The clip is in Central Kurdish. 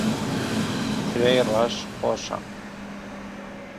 ترێی ڕەش خۆشە.